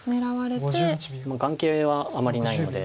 もう眼形はあまりないので。